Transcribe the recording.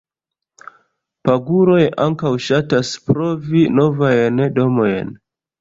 Paguroj ankaŭ ŝatas provi novajn domojn.